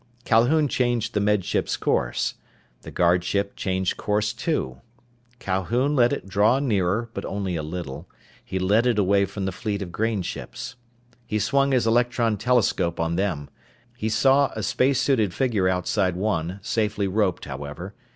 Calhoun changed the Med Ship's course. The guard ship changed course too. Calhoun let it draw nearer, but only a little. He led it away from the fleet of grain ships. He swung his electron telescope on them. He saw a spacesuited figure outside one, safely roped, however.